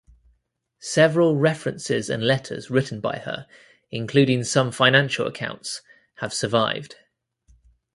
Several references and letters written by her, including some financial accounts, have survived.